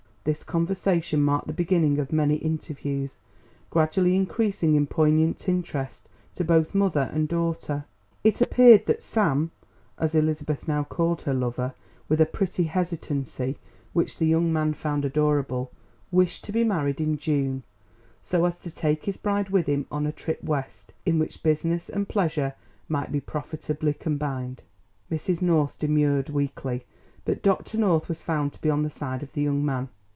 This conversation marked the beginning of many interviews, gradually increasing in poignant interest to both mother and daughter. It appeared that "Sam," as Elizabeth now called her lover with a pretty hesitancy which the young man found adorable, wished to be married in June, so as to take his bride with him on a trip West, in which business and pleasure might be profitably combined. Mrs. North demurred weakly; but Dr. North was found to be on the side of the young man.